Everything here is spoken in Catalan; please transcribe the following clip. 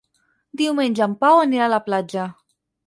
Diumenge en Pau anirà a la platja.